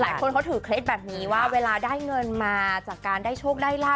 หลายคนเขาถือเคล็ดแบบนี้ว่าเวลาได้เงินมาจากการได้โชคได้ลาบ